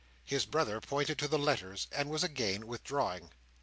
His brother pointed to the letters, and was again withdrawing.